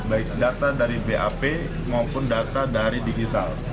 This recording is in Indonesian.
baik data dari bap maupun data dari digital